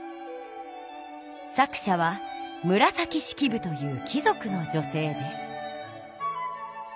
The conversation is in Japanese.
作者は紫式部という貴族の女性です。